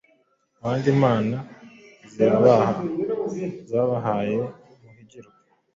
Abandi Imana zirabaha, zabahaye Muhigirwa